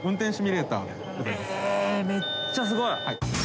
めっちゃすごい。